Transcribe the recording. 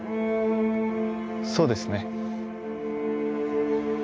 そうですね。